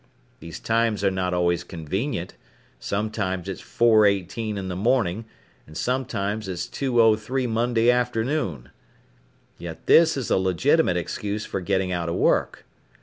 These times are not always convenient, sometimes it's 4:18 in the morning and sometimes it's 2:03 Monday afternoon. Yet this is a legitimate excuse for getting out of work.